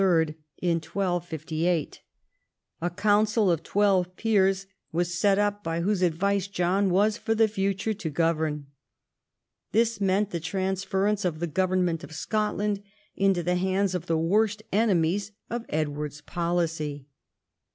in 1258. A council of twelve peers was set up, by Avhose advice John Avas for the future to govern. This meant the transference of the government of Scotland into the hands of the Avorst enemies of Edward's policy.